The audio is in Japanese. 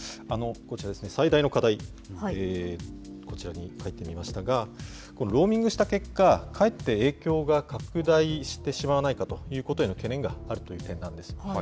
こちらですね、最大の課題、こちらに書いてみましたが、ローミングした結果、かえって影響が拡大してしまわないかということへの懸念があるという点なんです。